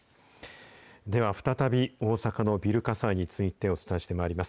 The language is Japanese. では、再び大阪のビル火災についてお伝えしてまいります。